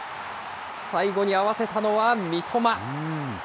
最後に合わせたのは三笘。